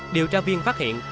điều tra viên phát hiện